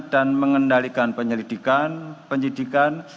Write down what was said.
dan mengendalikan penyelidikan penyidikan